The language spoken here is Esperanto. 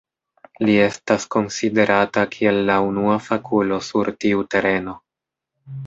Li estas konsiderata kiel la unua fakulo sur tiu tereno.